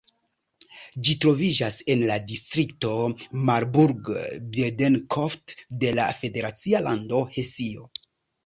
Ĝi troviĝas en la distrikto Marburg-Biedenkopf de la federacia lando Hesio.